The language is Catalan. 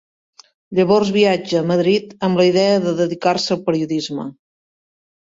Llavors viatja a Madrid amb la idea de dedicar-se al periodisme.